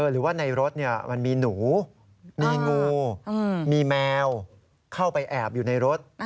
หรือว่าในรถมันมีหนูมีงูมีแมวเข้าไปแอบอยู่ในรถ